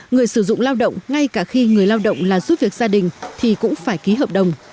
người sử dụng lao động ngay cả khi người lao động là giúp việc gia đình thì cũng phải ký hợp đồng